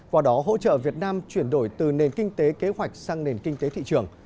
qua đó hỗ trợ việt nam chuyển đổi từ nền kinh tế kế hoạch sang nền kinh tế thị trường